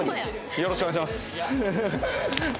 よろしくお願いします。